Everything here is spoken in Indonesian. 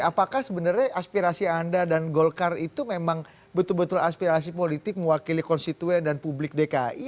apakah sebenarnya aspirasi anda dan golkar itu memang betul betul aspirasi politik mewakili konstituen dan publik dki